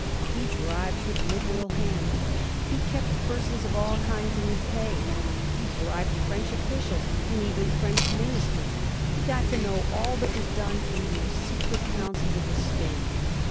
He bribed with liberal hand ; he kept persons of all kinds in his pay ; he bribed French officials, and even French ministers ; he got to know all that was done in the most secret councils of the State.